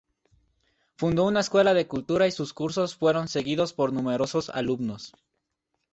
Fundó una escuela de escultura y sus cursos fueron seguidos por numerosos alumnos.